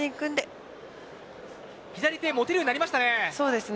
左手が持てるようになりました。